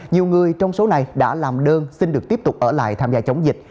nhiều người trong số này đã làm đơn xin được tiếp tục ở lại tham gia chống dịch